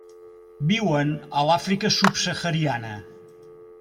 Viuen a l'Àfrica subsahariana.